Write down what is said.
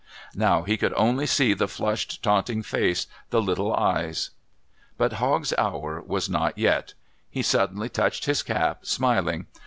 Now he could only see the flushed, taunting face, the little eyes.... But Hogg's hour was not yet. He suddenly touched his cap, smiling.